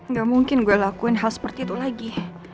gak mungkin gue lakuin hal seperti itu lagi